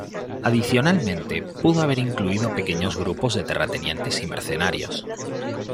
Adicionalmente, pudo haber incluido pequeños grupos de terratenientes y mercenarios.